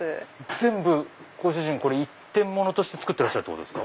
全部ご主人一点物として作ってらっしゃるんですか？